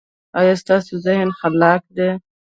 ایا ستاسو ذهن خلاق دی؟